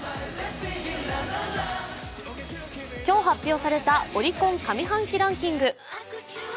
今日発表されたオリコン上半期ランキング。